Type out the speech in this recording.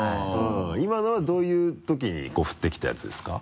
今のはどういう時にふってきたやつですか？